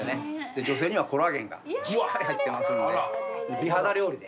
女性にはコラーゲンがしっかり入ってますので美肌料理で。